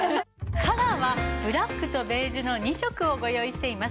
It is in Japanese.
カラーはブラックとベージュの２色をご用意しています。